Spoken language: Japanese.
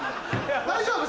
大丈夫？